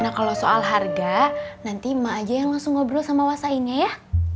nah kalau soal harga nanti mah aja yang langsung ngobrol sama wasainnya ya